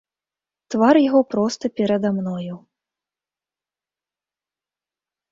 Твар яго проста перада мною.